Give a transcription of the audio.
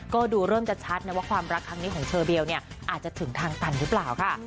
ก็ดูเริ่มจะชัดนะว่าความรักครั้งนี้ของเชอเบลเนี่ยอาจจะถึงทางตันหรือเปล่าค่ะ